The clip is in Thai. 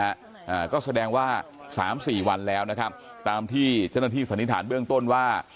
อ่าก็แสดงว่าสามสี่วันแล้วนะครับตามที่เจ้าหน้าที่สันนิษฐานเบื้องต้นว่า